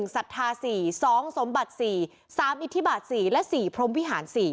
๑สัทธาศรี๒สมบัติศรี๓อิทธิบาทศรี๔พรมวิหารศรี